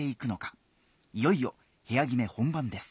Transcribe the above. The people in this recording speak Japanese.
いよいよ部屋決め本番です。